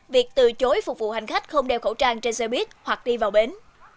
việc từ chối phục vụ hành khách không đeo khẩu trang trên xe buýt hoặc đi vào bến